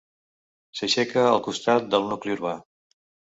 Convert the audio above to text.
S'aixeca al costat del nucli urbà.